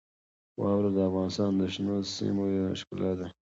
واوره د افغانستان د شنو سیمو یوه ښکلا ده.